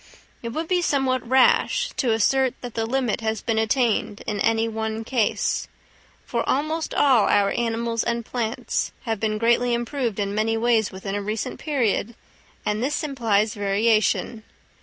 It would be somewhat rash to assert that the limit has been attained in any one case; for almost all our animals and plants have been greatly improved in many ways within a recent period; and this implies variation.